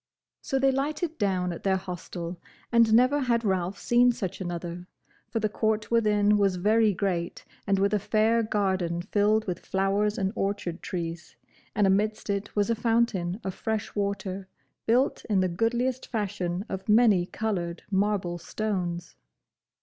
So they lighted down at their hostel, and never had Ralph seen such another, for the court within was very great and with a fair garden filled with flowers and orchard trees, and amidst it was a fountain of fresh water, built in the goodliest fashion of many coloured marble stones.